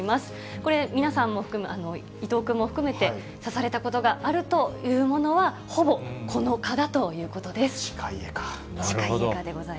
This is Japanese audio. これ、皆さんも含む、いとう君も含めて、刺されたことがあるというものは、ほぼこの蚊だということです。